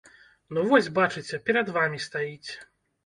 Ну вось бачыце, перад вамі стаіць.